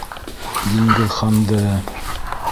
Диңгеҙханды...